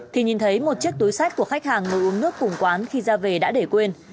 thì nhìn thấy một chiếc túi sách của khách hàng ngồi uống nước cùng quán khi ra về đã để quên